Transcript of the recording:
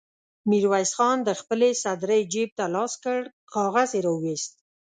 ميرويس خان د خپلې سدرۍ جېب ته لاس کړ، کاغذ يې را وايست.